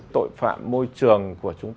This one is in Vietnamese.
tội phạm môi trường của chúng ta